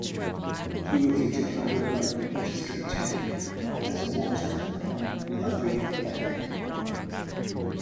He was a Chicago Park District Champion as a boxer from LaFollette Park.